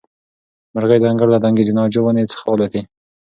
مرغۍ د انګړ له دنګې ناجو ونې څخه والوتې.